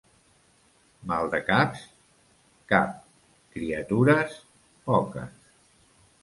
Maldecaps, cap; criatures, poques.